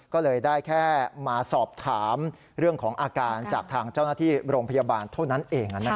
ก็เลยได้แค่มาสอบถามเรื่องของอาการจากทางเจ้าหน้าที่โรงพยาบาลเท่านั้นเอง